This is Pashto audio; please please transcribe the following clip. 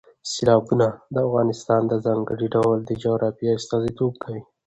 سیلابونه د افغانستان د ځانګړي ډول جغرافیې استازیتوب کوي.